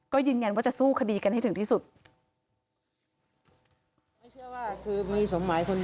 ก็ยืนยันว่าจะสู้คดีกันให้ถึงที่สุด